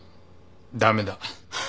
駄目だ。